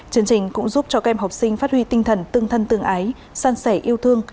chương trình cũng giúp cho các em học sinh phát huy tinh thần tương thân tương ái san sẻ yêu thương